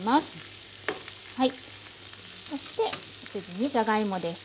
そして次にじゃがいもです。